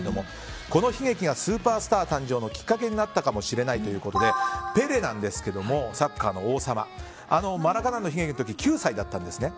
この悲劇がスーパースター誕生のきっかけになったかもしれないということでペレなんですけれどもサッカーの王様マラカナンの悲劇の時９歳だったんですね。